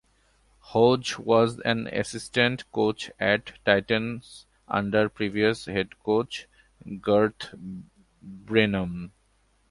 Hodges was an assistant coach at the Titans under previous head coach Garth Brennan.